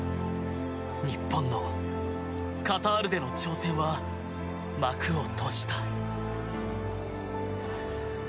日本のカタールでの挑戦は幕を閉じた。